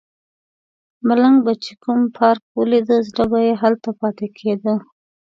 ملنګ به چې کوم پارک ولیده زړه به یې هلته پاتې کیده.